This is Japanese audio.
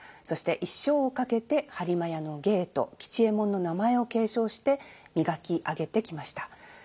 そして一生をかけて播磨屋の芸と吉右衛門の名前を継承して磨き上げてきました。